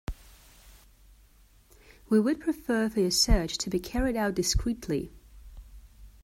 We would prefer for your search to be carried out discreetly.